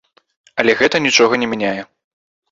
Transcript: Але гэта нічога не мяняе.